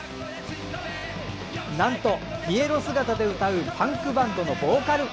なんと、ピエロ姿で歌うパンクバンドのボーカル！